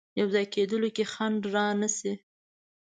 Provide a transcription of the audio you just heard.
یو ځای کېدلو کې ځنډ رانه شي.